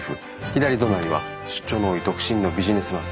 左隣は出張の多い独身のビジネスマン。